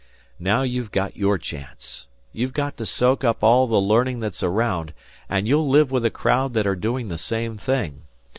Now you've got your chance. You've got to soak up all the learning that's around, and you'll live with a crowd that are doing the same thing.